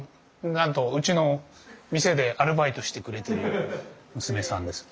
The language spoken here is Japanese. なんとうちの店でアルバイトしてくれてる娘さんです。